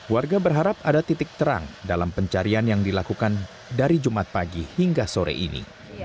warga berharap ada titik terang dalam pencarian yang dilakukan dari jumat pagi hingga sore ini